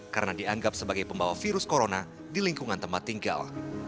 karena dianggap sebagai pembawa virus corona di lingkungan tempat tinggal